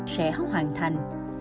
sẽ hoàn thành